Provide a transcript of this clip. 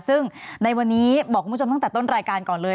ซึ่งในวันนี้บอกคุณผู้ชมตั้งแต่ต้นรายการก่อนเลย